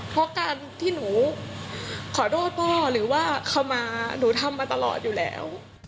เพราะการที่หนูขอโทษพ่อหรือว่าเขามาหนูทำมาตลอดอยู่แล้ว